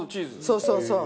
そうそうそう。